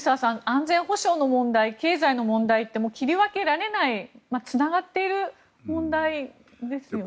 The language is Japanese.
安全保障の問題、経済の問題って切り分けられないつながっている問題ですよね。